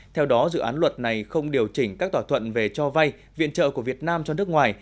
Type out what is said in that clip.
theo đó dự án luật này không điều chỉnh các thỏa thuận về cho vay viện trợ của việt nam cho nước ngoài